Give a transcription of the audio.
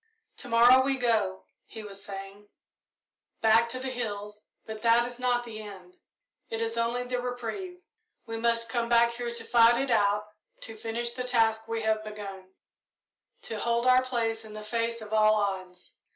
"To morrow we go," he was saying, "back to the hills, but that is not the end it is only the reprieve. We must come back here to fight it out, to finish the task we have begun, to hold our place in the face of all odds.